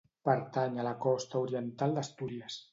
Pertany a la Costa oriental d'Astúries.